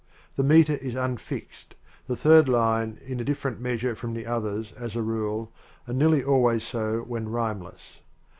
The meter is unfixed, the third line in a different measure from the others, as a rule, and nearly always so when rhymeless.